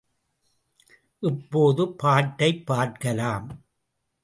இப்போது பாட்டைப் பார்க்கலாம்.